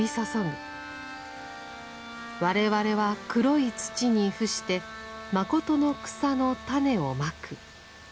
我々は黒い土に伏して誠の草の種をまく。